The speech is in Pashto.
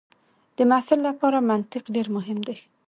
د محصل لپاره منطق ډېر مهم دی.